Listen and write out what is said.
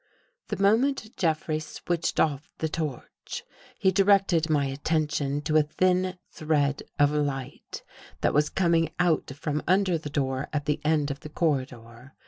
The moment Jeffrey switched off the torch, he directed my attention to a thin thread of light that was coming out from under the door at the end of the corridor.